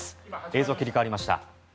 映像、切り替わりました。